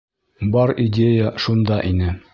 — Бар идея шунда ине.